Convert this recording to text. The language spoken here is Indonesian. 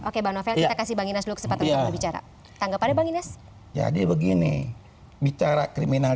oke kita kasih bagi nasional sepatu bicara tanggapannya bagi nes jadi begini bicara kriminal